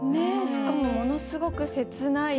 しかもものすごく切ない。